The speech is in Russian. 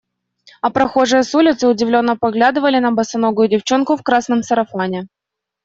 А прохожие с улицы удивленно поглядывали на босоногую девчонку в красном сарафане.